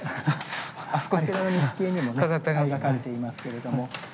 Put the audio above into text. あちらの錦絵にもね描かれていますけれども。